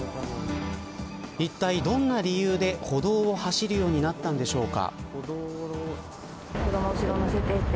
いったい、どんな理由で歩道を走るようになったのでしょうか。